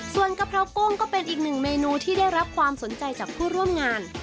ส่วนกะเพรากุ้งก็เป็นอีกหนึ่งเมนูที่ได้รับความสนใจจากผู้ร่วมงาน